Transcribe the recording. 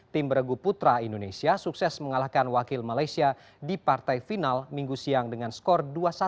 tim beragu putra indonesia sukses mengalahkan wakil malaysia di partai final minggu siang dengan skor dua satu